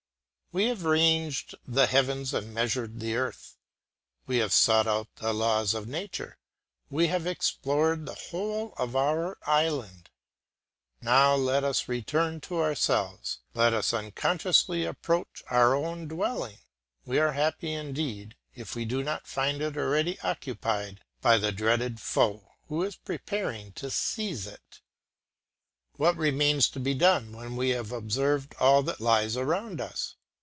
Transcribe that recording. We have ranged the heavens and measured the earth; we have sought out the laws of nature; we have explored the whole of our island. Now let us return to ourselves, let us unconsciously approach our own dwelling. We are happy indeed if we do not find it already occupied by the dreaded foe, who is preparing to seize it. What remains to be done when we have observed all that lies around us?